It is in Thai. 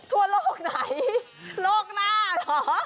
ทั่วโลกไหนโลกหน้าเหรอ